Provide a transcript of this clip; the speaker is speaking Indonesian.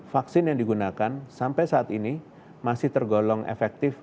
vaksin yang digunakan sampai saat ini masih tergolong efektif